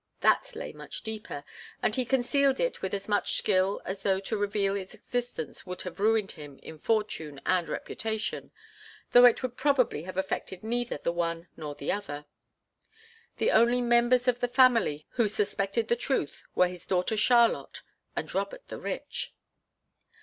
That lay much deeper, and he concealed it with as much skill as though to reveal its existence would have ruined him in fortune and reputation, though it would probably have affected neither the one nor the other. The only members of the family who suspected the truth were his daughter Charlotte and Robert the Rich.